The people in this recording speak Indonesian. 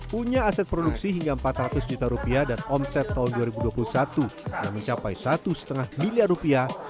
punya aset produksi hingga empat ratus juta rupiah dan omset tahun dua ribu dua puluh satu yang mencapai satu lima miliar rupiah